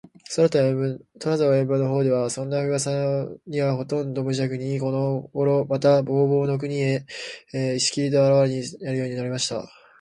空とぶ円盤のほうでは、そんなうわさにはむとんじゃくに、このごろでは、また、ほうぼうの国へと、しきりと、あらわれるようになりました。